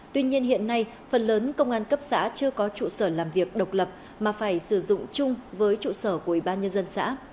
tuy nhiên hiện nay phần lớn công an cấp xã chưa có trụ sở làm việc độc lập mà phải sử dụng chung với trụ sở của ủy ban nhân dân xã